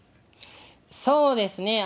そうですね。